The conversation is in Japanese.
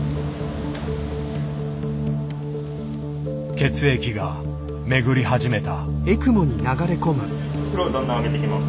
血液が巡り始めた。